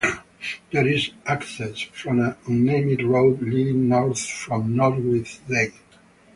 There is access from an unnamed road leading north from Norwich Lane.